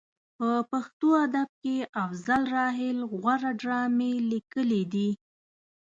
په پښتو ادب کې افضل راحل غوره ډرامې لیکلې دي.